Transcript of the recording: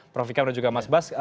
prof ikam dan juga mas bas